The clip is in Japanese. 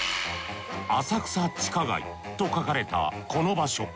浅草地下街と書かれたこの場所。